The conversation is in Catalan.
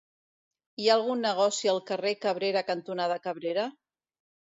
Hi ha algun negoci al carrer Cabrera cantonada Cabrera?